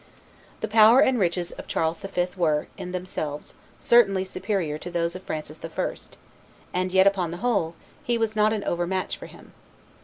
The power and riches of Charles V. were, in themselves, certainly superior to those of Frances I., and yet, upon the whole, he was not an overmatch for him.